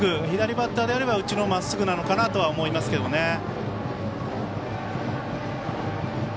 左バッターであれば内のまっすぐなのかなと思いますけどね。